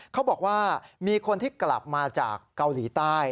เขาบอกว่ามีคนที่กลับมาจากเกาหลีใต้